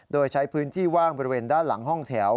โดยใช้พื้นที่ว่างบริเวณด้านหลังห้องแถว